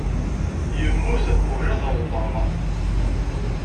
Yemmut qbel ad awḍeɣ.